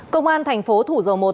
công an thành phố thủ dầu một